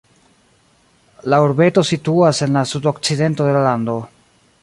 La urbeto situas en la sudokcidento de la lando.